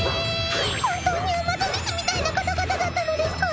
本当にアマゾネスみたいな方々だったのですか？